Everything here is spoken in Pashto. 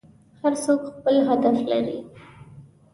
هر څوک خپل هدف لري.